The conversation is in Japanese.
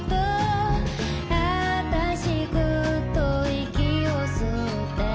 「あたしぐっと息を吸って」